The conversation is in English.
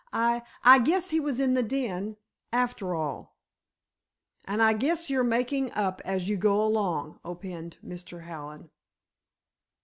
"I—I guess he was in the den—after all." "And I guess you're making up as you go along," opined Mr. Hallen.